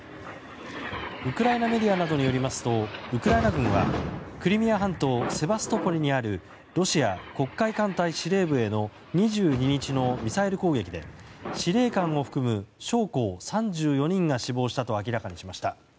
ウクライナメディアなどによりますとウクライナ軍はクリミア半島セバストポリにあるロシア黒海艦隊司令部への２２日のミサイル攻撃で司令官を含む将校３４人が死亡したと明らかにしました。